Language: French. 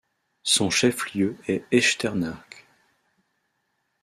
Son chef-lieu est Echternach.